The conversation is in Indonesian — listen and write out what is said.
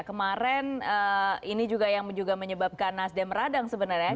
kemarin ini juga yang menyebabkan nasdem radang sebenarnya ya